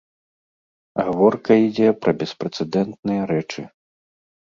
Гаворка ідзе пра беспрэцэдэнтныя рэчы.